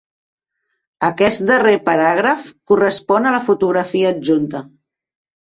Aquest darrer paràgraf correspon a la fotografia adjunta.